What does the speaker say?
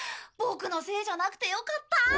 ボクのせいじゃなくてよかった。